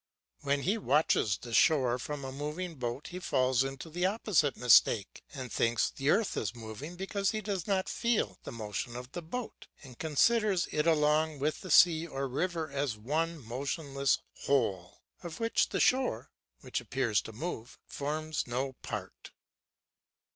When he watches the shore from a moving boat he falls into the opposite mistake and thinks the earth is moving because he does not feel the motion of the boat and considers it along with the sea or river as one motionless whole, of which the shore, which appears to move, forms no part.